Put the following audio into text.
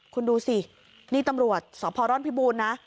คุณดูสินี่ตำรวจสพร่อนพิบูรณ์นะ